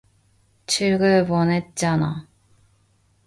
죽을 뻔했잖아!